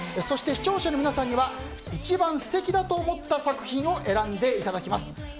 そして、視聴者の皆さんには一番素敵だと思った作品を選んでいただきます。